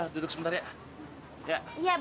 duduk sebentar ya